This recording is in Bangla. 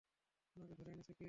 উনাকে ধরে এনেছে কে?